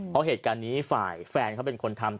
เพราะเหตุการณ์นี้ฝ่ายแฟนเขาเป็นคนทำ